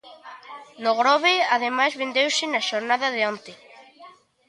No Grove, ademais, vendeuse na xornada de onte.